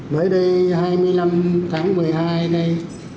mới đây hai mươi năm tháng một mươi hai này